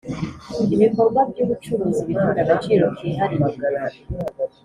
Ibikorwa by ubucuruzi bifite agaciro kihariye